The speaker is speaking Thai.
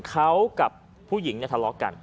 เขากับผู้หญิงทะเลาะกัน